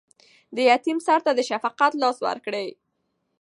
د یتیم سر ته د شفقت لاس ورکړئ.